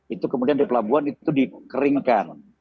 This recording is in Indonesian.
itu kemudian di pelabuhan itu dikeringkan